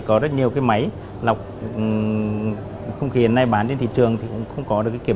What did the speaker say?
kể cả những năm gần đây